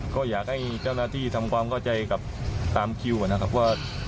ก็อยากให้เจ้าหน้าที่ทำความเข้าใจกับตามคิวนะครับว่า